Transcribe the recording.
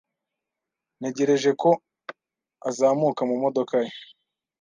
Ntegereje ko azamuka mu modoka ye.